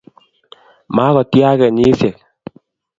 Ma ko tia kenyisiek